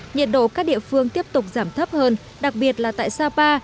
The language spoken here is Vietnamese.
nhiệt độ các địa phương tiếp tục giảm thấp hơn đặc biệt là tại sapa